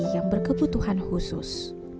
yang berkebutuhan khusus